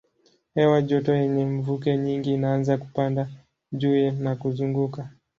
Hewa joto yenye mvuke nyingi inaanza kupanda juu na kuzunguka.